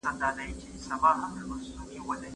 تل د دښمنۍ پر ځای د صلحي لاره غوره کړئ.